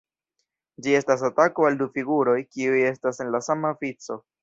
Ĝi estas atako al du figuroj, kiuj estas en la sama vico.